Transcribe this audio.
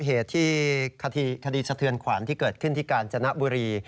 เหตุที่คดีสะเทือนขวัญที่เกิดขึ้นที่กาญจนบุรี